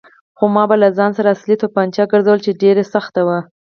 خو ما به له ځان سره اصلي تومانچه ګرځوله چې ډېره سخته وه.